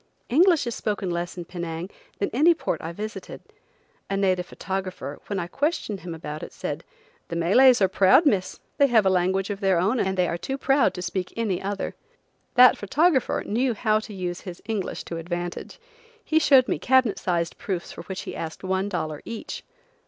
English is spoken less in Penang than in any port I visited. A native photographer, when I questioned him about it, said: "The Malays are proud, Miss. They have a language of their own and they are too proud to speak any other." That photographer knew how to use his English to advantage. He showed me cabinet sized proofs for which he asked one dollar each.